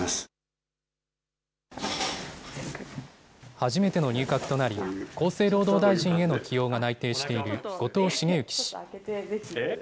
初めての入閣となり、厚生労働大臣への起用が内定している後藤茂之氏。